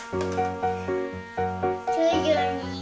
９２。